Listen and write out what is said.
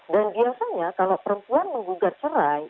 dan biasanya kalau perempuan menggugat cerai